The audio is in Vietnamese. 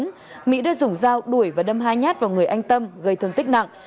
trong khi gây án mỹ đã dùng dao đuổi và đâm hai nhát vào người anh tâm gây thương tích nặng